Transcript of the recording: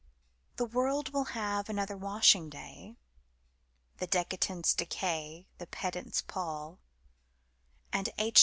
The world will have another washing day; The decadents decay; the pedants pall; And H.